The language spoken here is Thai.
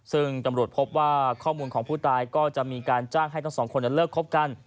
ซึ่งตำรวจพบว่าข้อมูลของผู้ตายก็จะมีการจ้างให้ทั้งสองคนเลิกคบกัน